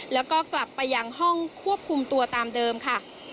แล้วก็กลับไปยังห้องควบคุมตัวตามเดิมค่ะ